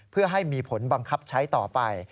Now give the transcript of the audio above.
เพื่อให้มีผลบังคับใช้ต่อไป